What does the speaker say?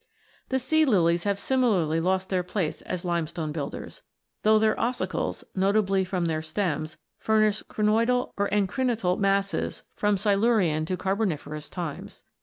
The sea lilies have similarly lost their place as limestone builders, though their "ossicles," notably from their stems, furnish crinoidal or "encrinital" masses from Silurian to Carboniferous times.